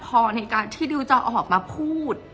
เพราะในตอนนั้นดิวต้องอธิบายให้ทุกคนเข้าใจหัวอกดิวด้วยนะว่า